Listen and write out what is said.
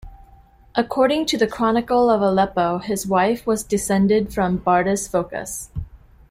According to the Chronicle of Aleppo, his wife was descended from Bardas Phokas.